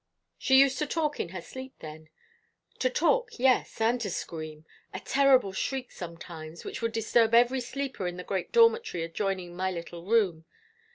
"She used to talk in her sleep, then?" "To talk, yes; and to scream a terrible shriek sometimes, which would disturb every sleeper in the great dormitory adjoining my little room.